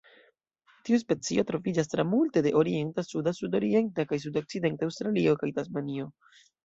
Tiu specio troviĝas tra multe de orienta, suda, sudorienta kaj sudokcidenta Aŭstralio kaj Tasmanio.